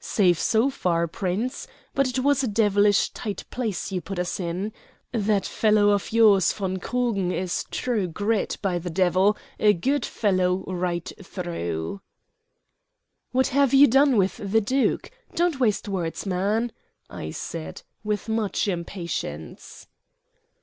"Safe so far, Prince, but it was a devilish tight place you put us in. That fellow of yours, von Krugen, is true grit, by the devil, a good fellow right through." "What have you done with the duke? Don't waste words, man," I said, with much impatience.